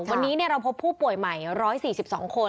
วันนี้เราพบผู้ป่วยใหม่๑๔๒คน